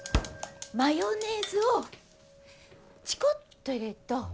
マヨネーズをちこっと入れっと。